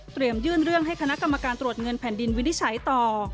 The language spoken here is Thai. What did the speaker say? ยื่นเรื่องให้คณะกรรมการตรวจเงินแผ่นดินวินิจฉัยต่อ